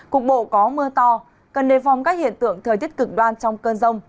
cục bộ có mưa to cần đề phòng các hiện tượng thời tiết cực đoan trong cơn rông